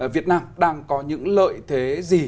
việt nam đang có những lợi thế gì